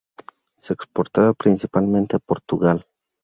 Se exportaba principalmente a Portugal.